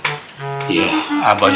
abang juga ya mbah ya